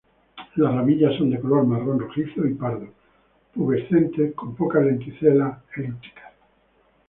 Las ramillas son de color marrón rojizo y pardo, pubescentes, con pocas lenticelas elípticas.